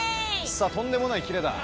さあとんでもないキレだ。